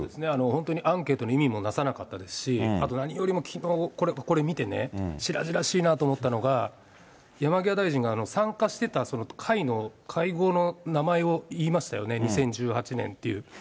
本当にアンケートの意味もなさなかったですし、あと何よりもきのう、これ見てね、しらじらしいなと思ったのが、山際大臣が参加してたその会の会合の名前を言いましたよね、２０１８年っていう。